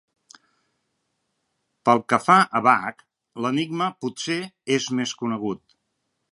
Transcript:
Pel que fa a Bach, l'enigma potser és més conegut.